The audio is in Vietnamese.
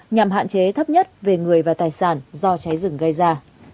nhằm hạn chế thấp nhất về người và tài sản do cháy rừng gây ra